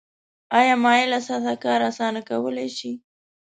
آیا مایله سطحه کار اسانه کولی شي؟